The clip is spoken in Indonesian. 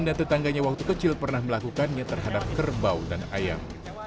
dana tetangganya waktu kecil pernah melakukannya terhadap kerbau dan ayam